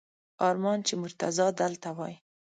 ارمان چې مرتضی دلته وای!